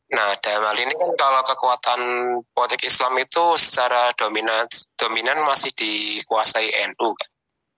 nah dalam hal ini kan kalau kekuatan politik islam itu secara dominan masih dikuasai nu kan